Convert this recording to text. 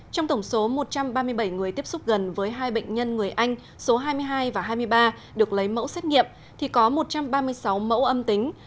trong tổng số một trăm ba mươi bảy người tiếp xúc gần với hai bệnh nhân người anh số hai mươi hai và hai mươi ba được lấy mẫu xét nghiệm thì có một trăm ba mươi sáu mẫu âm tính